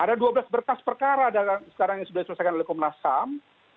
ada dua belas berkas perkara sekarang yang sudah diselesaikan oleh komnas ham